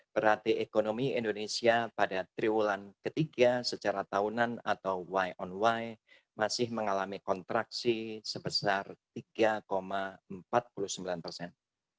berarti ekonomi indonesia pada triwulan ketiga secara tahunan atau y on y masih mengalami kontraksi sebesar tiga empat puluh sembilan persen